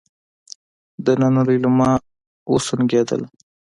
دننه ليلما وسونګېدله.